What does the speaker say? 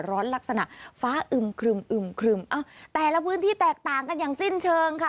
ลักษณะฟ้าอึมครึมอึมครึมแต่ละพื้นที่แตกต่างกันอย่างสิ้นเชิงค่ะ